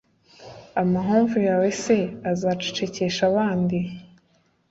amahomvu yawe se azacecekesha abandi